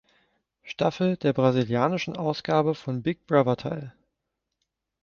Staffel der brasilianischen Ausgabe von Big Brother teil.